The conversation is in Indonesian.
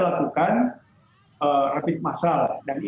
lakukan rapid massal